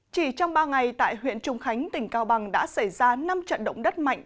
chỉ trong ba ngày tại huyện trung khánh tỉnh cao bằng đã xảy ra năm trận động đất mạnh